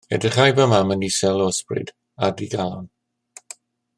Edrychai fy mam yn isel o ysbryd a digalon.